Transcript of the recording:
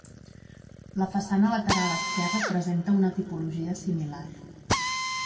La façana lateral esquerra presenta una tipologia similar.